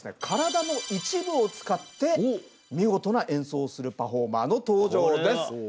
体の一部を使って見事な演奏をするパフォーマーの登場です。